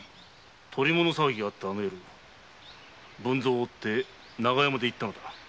捕り物騒ぎがあったあの夜文造を追って長屋まで行ったのだ。